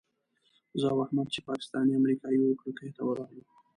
زه او احمد چې پاکستاني امریکایي وو کړکیو ته ورغلو.